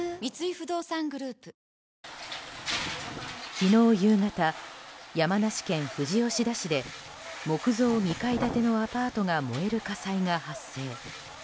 昨日夕方山梨県富士吉田市で木造２階建てのアパートが燃える火災が発生。